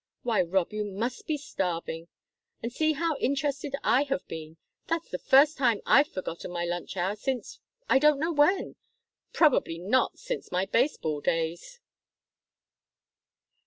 Why, Rob, you must be starving! And see how interested I have been! That's the first time I've forgotten my lunch hour since I don't know when probably not since my base ball days!"